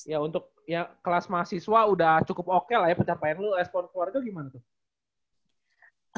ya untuk kelas mahasiswa udah cukup oke lah ya pencapaian lu respon keluarga gimana tuh